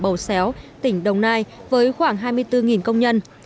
bầu xéo tỉnh đồng nai với khoảng hai mươi bốn công nhân